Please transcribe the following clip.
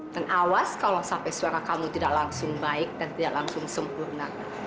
dan awas kalau sampai suara kamu tidak langsung baik dan tidak langsung sempurna